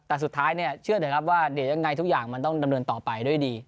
แต่สุดท้ายเนี่ยเชื่อเถอะครับว่าเดี๋ยวยังไงทุกอย่างมันต้องดำเนินต่อไปด้วยดี